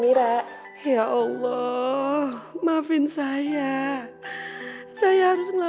iya ada yang tersenyum